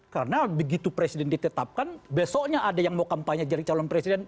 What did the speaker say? karena begitu presiden ditetapkan besoknya ada yang mau kampanye jadi calon presiden